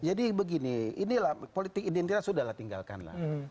jadi begini ini lah politik indian kita sudah tinggalkan lah